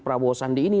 prabowo dan sandi ini